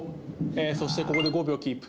そしてここで５秒キープ。